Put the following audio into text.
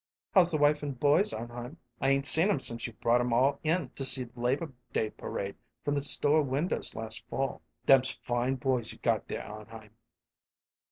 "How's the wife and boys, Arnheim? I 'ain't seen 'em since you brought 'em all in to see the Labor Day parade from the store windows last fall. Them's fine boys you got there, Arnheim!"